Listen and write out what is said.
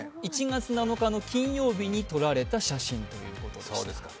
１月７日の金曜日に撮られた写真ということです。